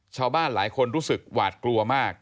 ชาวบ้านหลายคนรู้สึกหวาดกลัวมาก